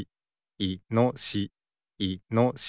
いのしし。